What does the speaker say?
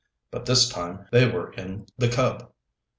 But this time they were in the Cub.